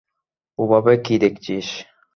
ওভাবে কী দেখছিস?